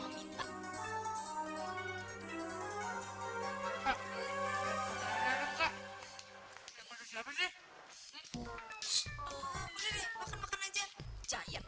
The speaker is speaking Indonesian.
sampai jumpa di video selanjutnya